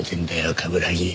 冠城。